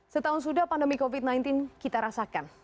setahun sudah pandemi covid sembilan belas kita rasakan